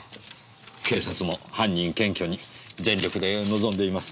警察も犯人検挙に全力で臨んでいます。